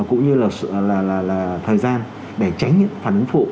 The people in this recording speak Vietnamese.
cũng như là thời gian để tránh những phản ứng phụ